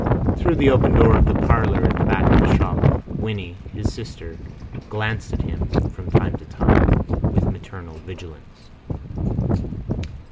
Through the open door of the parlour at the back of the shop Winnie, his sister, glanced at him from time to time with maternal vigilance.